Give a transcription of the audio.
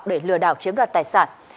để lừa đảo chiếm đoạt tài sản